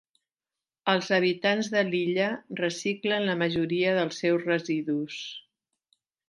Els habitants de l'illa reciclen la majoria dels seus residus.